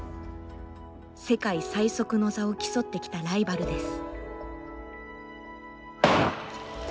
「世界最速」の座を競ってきたライバルです。